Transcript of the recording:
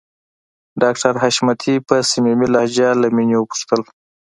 ډاکټر حشمتي په صميمي لهجه له مينې وپوښتل